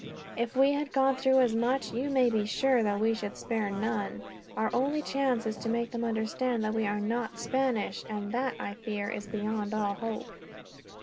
If we had gone through as much, you may be sure that we should spare none. Our only chance is to make them understand that we are not Spanish; and that, I fear, is beyond all hope."